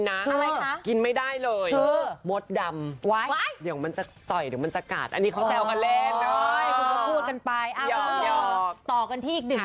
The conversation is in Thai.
ใครก็คิดแบบเธอแต่ด้วยความแน็ทแงมมีตัวหลอกนิดนึง